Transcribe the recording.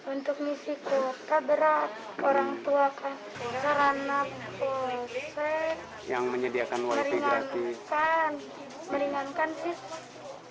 untuk misi kota berat orang tua kan sarana polsek meringankan meringankan sih